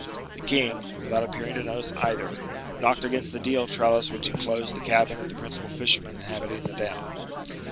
The king, without appearing to notice either, knocked against the deal trellis which inclosed the cabin of the principal fisherman inhabiting the down.